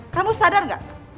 kamu sadar gak